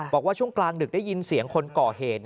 บอกว่าช่วงกลางดึกได้ยินเสียงคนก่อเหตุ